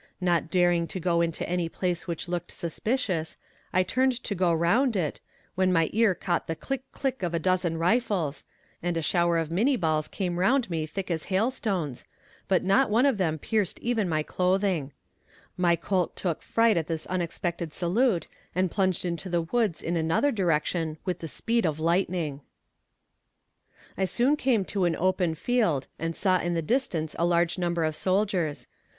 Not daring to go into any place which looked suspicious, I turned to go round it, when my ear caught the click, click of a dozen rifles, and a shower of Minnie balls came round me thick as hailstones, but not one of them pierced even my clothing. My colt took fright at this unexpected salute, and plunged into the woods in another direction with the speed of lightning. [Illustration: RIDING FOR LIFE. Page 217.] I soon came to an open field and saw in the distance a large number of soldiers.